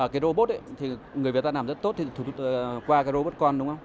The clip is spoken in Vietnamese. cái robot ấy người việt nam làm rất tốt thì qua cái robot con đúng không